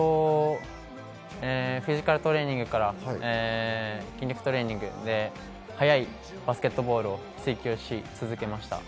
フィジカルトレーニングから筋肉トレーニング、速いバスケットボールを追求し続けました。